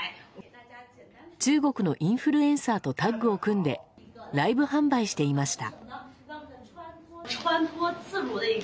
中国のインフルエンサーとタッグを組んでライブ販売していました。